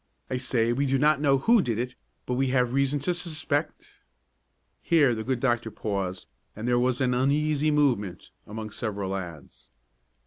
I say we do not know who did it, but we have reason to suspect " Here the good doctor paused and there was an uneasy movement among several lads.